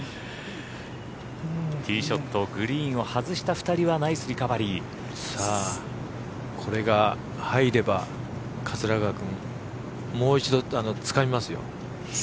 ティーショットをグリーンを外した２人はこれが入れば桂川君もう一度、つかみますよ。